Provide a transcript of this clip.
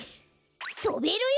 とべるよ！